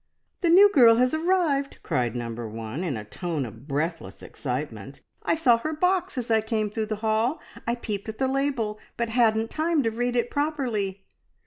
"The new girl has arrived!" cried number one, in a tone of breathless excitement. "I saw her box as I came through the hall. I peeped at the label, but hadn't time to read it properly."